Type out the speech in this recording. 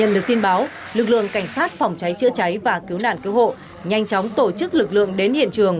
được tin báo lực lượng cảnh sát phòng cháy chữa cháy và cứu nạn cứu hộ nhanh chóng tổ chức lực lượng đến hiện trường